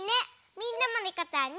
みんなもねこちゃんに。